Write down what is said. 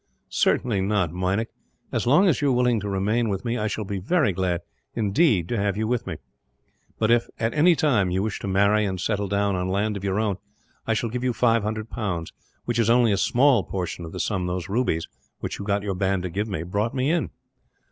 "Certainly not, Meinik. As long as you are willing to remain with me, I shall be very glad, indeed, to have you; but if, at any time, you wish to marry and settle down on land of your own, I shall give you five hundred pounds which is only a small portion of the sum those rubies, which you got your band to give me, brought me in."